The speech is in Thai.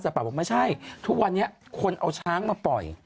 ป่าบอกไม่ใช่ทุกวันนี้คนเอาช้างมาปล่อย